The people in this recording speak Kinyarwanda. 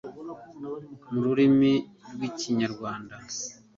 mu rurimi rw Ikinyarwanda